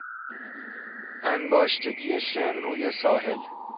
انباشتگی شن روی ساحل